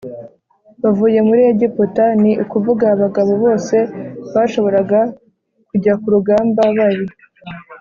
bavuye muri Egiputa ni ukuvuga abagabo bose bashoboraga kujya ku rugamba bari